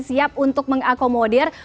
siap untuk mengakomodir